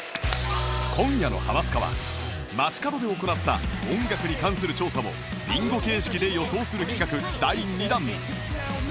今夜の『ハマスカ』は街角で行った音楽に関する調査をビンゴ形式で予想する企画第２弾